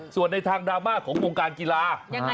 ส่วนในทางดราม่าของวงการกีฬายังไง